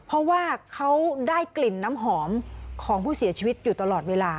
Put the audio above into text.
เพราะว่าเขาได้กลิ่นน้ำหอมของผู้เสียชีวิตอยู่ตลอดเวลา